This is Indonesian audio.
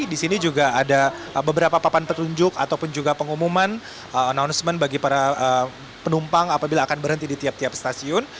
di sini juga ada beberapa papan petunjuk ataupun juga pengumuman announcement bagi para penumpang apabila akan berhenti di tiap tiap stasiun